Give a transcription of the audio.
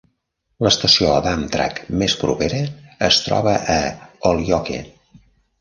L'estació d'Amtrak més propera es troba a Holyoke.